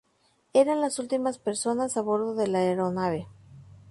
Eran las únicas personas a bordo de la aeronave.